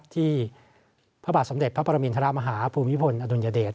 ที่พระบาทสมเด็จพระปรมินทรมาฮาภูมิพลอดุลยเดช